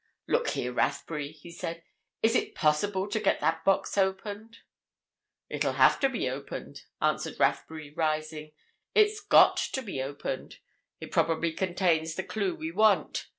"Look here, Rathbury," he said. "Is it possible to get that box opened?" "It'll have to be opened," answered Rathbury, rising. "It's got to be opened. It probably contains the clue we want.